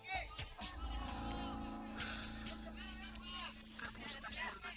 aku harus tetap selamat